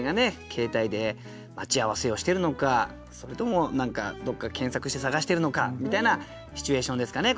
携帯で待ち合わせをしてるのかそれとも何かどこか検索して探してるのかみたいなシチュエーションですかね